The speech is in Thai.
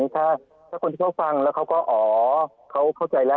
ถ้าคนที่เขาฟังแล้วเขาก็อ๋อเขาเข้าใจแล้ว